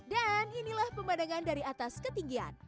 dan inilah pemandangan dari atas ketinggian